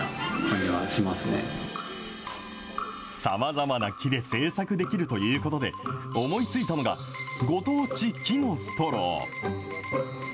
さまざまな木で製作できるということで、思いついたのが、ご当地木のストロー。